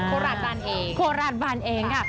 ราชบันเองโคราชบันเองค่ะ